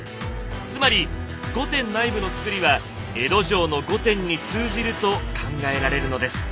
つまり御殿内部の造りは江戸城の御殿に通じると考えられるのです。